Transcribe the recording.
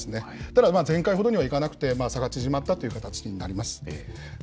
ただ、前回ほどにはいかなくて、差が縮まったという形になります。